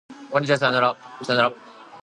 こんにちはさようなら